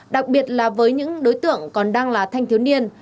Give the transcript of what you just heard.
đặc biệt là với những đối tượng còn đang là thanh thiếu niên